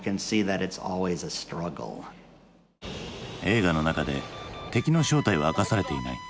映画の中で敵の正体は明かされていない。